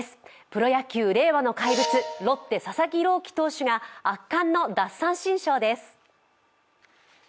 プロ野球、令和の怪物ロッテ・佐々木朗希投手が圧巻の奪三振ショーです。